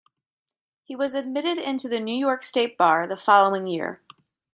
He was admitted into the New York State bar the following year.